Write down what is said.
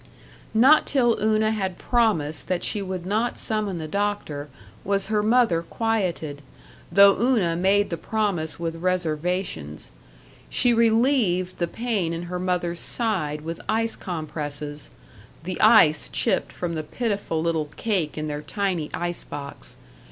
Not till Una had promised that she would not summon the doctor was her mother quieted, though Una made the promise with reservations. She relieved the pain in her mother's side with ice compresses the ice chipped from the pitiful little cake in their tiny ice box.